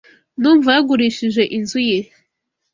Ndumva yagurishije inzu ye.